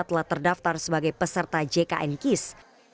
telah terdaftar sebagai peserta jkn kis